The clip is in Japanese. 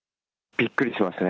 びっくりしましたね。